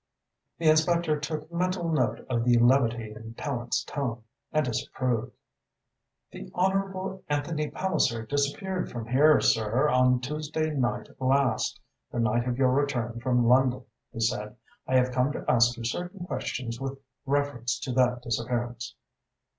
The inspector took mental note of the levity in Tallente's tone, and disapproved. "The Honourable Anthony Palliser disappeared from here, sir, on Tuesday night last, the night of your return from London," he said. "I have come to ask you certain questions with reference to that disappearance."